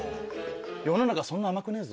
世の中そんな甘くねえぞ。